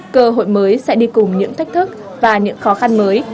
cơ hội mới sẽ đi cùng những thách thức và những khó khăn mới